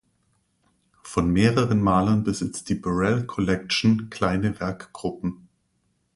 Von mehreren Malern besitzt die Burrell Collection kleine Werkgruppen.